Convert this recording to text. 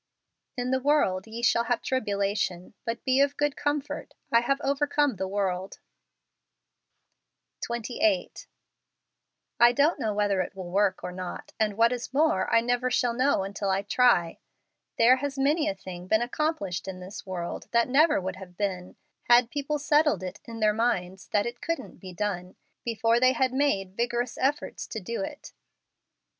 " In the world ye shall have tribulation: but be of good comfort : I have overcome the world" 28. I don't know whether it will work or not; and what is more, I never shall know until I try. There has many a thing been accomplished in this world that never would have been, had people settled it in their minds that it couldn't be done before they had made vigorous efforts to do it.